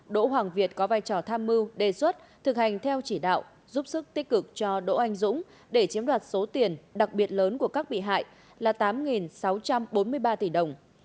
đỗ hoàng việt có vai trò tham mưu đề xuất thực hành theo chỉ đạo giúp sức tích cực cho đỗ anh dũng để chiếm đoạt số tiền đặc biệt lớn của các bị hại là tám sáu trăm bốn mươi ba tỷ đồng